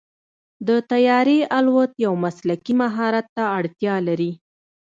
د طیارې الوت یو مسلکي مهارت ته اړتیا لري.